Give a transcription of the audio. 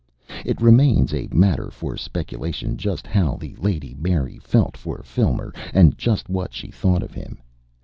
It remains a matter for speculation just how the Lady Mary felt for Filmer and just what she thought of him.